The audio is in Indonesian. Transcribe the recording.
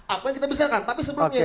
apa yang kita bisa lakukan tapi sebelumnya